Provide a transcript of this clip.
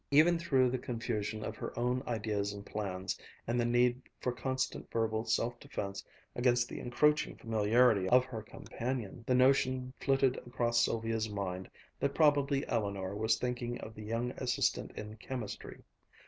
Even through the confusion of her own ideas and plans, and the need for constant verbal self defense against the encroaching familiarity of her companion, the notion flitted across Sylvia's mind that probably Eleanor was thinking of the young assistant in chemistry.